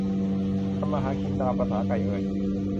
ทำมาหากิน ตามประสาไก่เอย